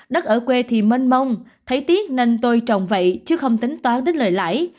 đất ở quê thì mênh mông thấy tiếc nên tôi trồng vậy chứ không tính toán đến lợi lãi